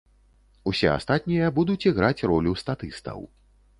Усе астатнія будуць іграць ролю статыстаў.